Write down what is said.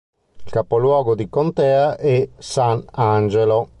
Il capoluogo di contea è San Angelo.